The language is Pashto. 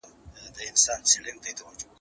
زه اجازه لرم چي مېوې وچوم،